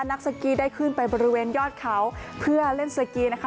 นักสกีได้ขึ้นไปบริเวณยอดเขาเพื่อเล่นสกีนะคะ